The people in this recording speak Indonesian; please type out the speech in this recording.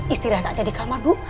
istirahat aja di kamar bu